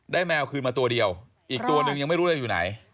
แมวคืนมาตัวเดียวอีกตัวนึงยังไม่รู้เลยอยู่ไหน